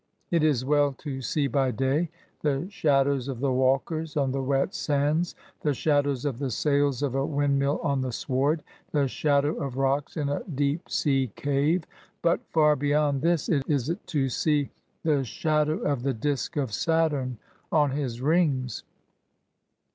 It is well to see by day, the shadows of walkers on the wet sands ; the shadows of the sails of a windmill on the sward ; the shadow of rocks in a deep sea cave ; but far beyond this is it to see the shadow of the disk of Saturn on his rings.